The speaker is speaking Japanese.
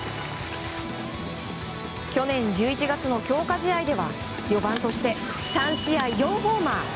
去年１１月の強化試合では４番として３試合４ホーマー。